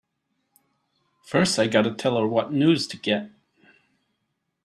First I gotta tell her what news to get!